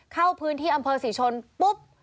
เข้าพื้นที่อำเภอศรีชนปุ๊บ